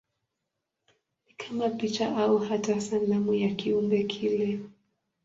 Ni kama picha au hata sanamu ya kiumbe kile.